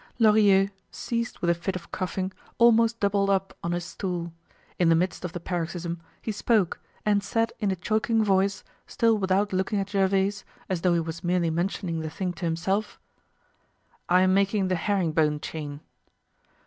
Lorilleux, seized with a fit of coughing, almost doubled up on his stool. In the midst of the paroxysm, he spoke, and said in a choking voice, still without looking at Gervaise, as though he was merely mentioning the thing to himself: "I'm making the herring bone chain."